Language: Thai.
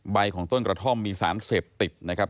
ใบของต้นกระท่อมมีสารเสพติดนะครับ